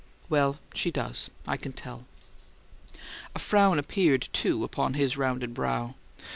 "Well, she does. I can tell." A frown appeared upon his rounded brow.